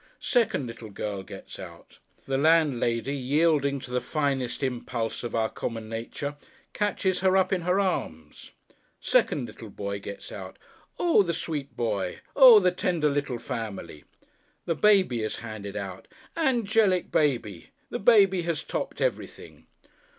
Second little girl gets out. The landlady, yielding to the finest impulse of our common nature, catches her up in her arms! Second little boy gets out. Oh, the sweet boy! Oh, the tender little family! The baby is handed out. Angelic baby! The baby has topped everything.